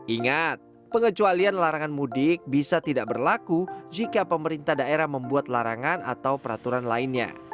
ingat pengecualian larangan mudik bisa tidak berlaku jika pemerintah daerah membuat larangan atau peraturan lainnya